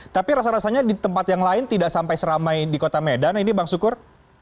tapi rasa rasanya di tempat yang lain tidak sampai seramai di kota medan ini bang sukur